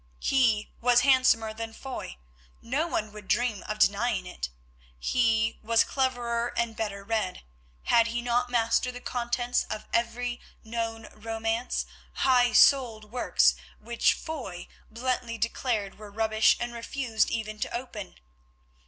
He was handsomer than Foy, no one would dream of denying it. He was cleverer and better read, had he not mastered the contents of every known romance—high souled works which Foy bluntly declared were rubbish and refused even to open?